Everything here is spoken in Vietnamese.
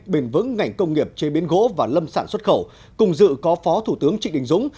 bền vững ngành công nghiệp chế biến gỗ và lâm sản xuất khẩu cùng dự có phó thủ tướng trịnh đình dũng